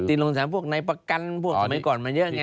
ตีนโรงตีนศาลพวกในประกันพวกสมัยก่อนมันเยอะแง่